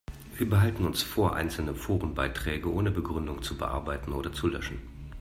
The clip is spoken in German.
Wir behalten uns vor, einzelne Forenbeiträge ohne Begründung zu bearbeiten oder zu löschen.